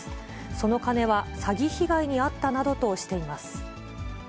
その金は詐欺被害に遭ったなどとしています。